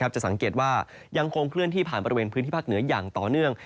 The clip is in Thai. จะสังเกตว่ายังคงเคลื่อนที่ผ่านบริเวณพื้นที่ภาคเหนืออย่างต่อเนื่อง